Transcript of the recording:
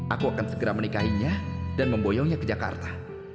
aku akan segera menikahinya dan memboyongnya ke jakarta